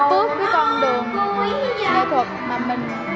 duy trì để tiếp tục